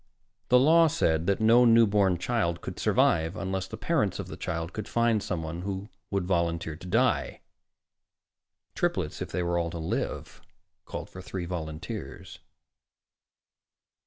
The law said that no newborn child could survive unless the parents of the child could find someone who would volunteer to die. Triplets, if they were all to live, called for three volunteers.